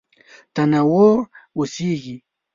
تنوع اوسېږي.